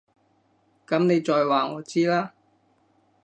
噉你再話我知啦